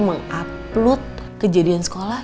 mengupload kejadian sekolah